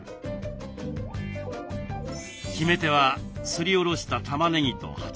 決め手はすりおろしたたまねぎとはちみつ。